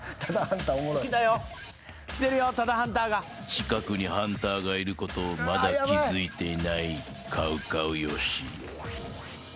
［近くにハンターがいることをまだ気付いていないＣＯＷＣＯＷ善し］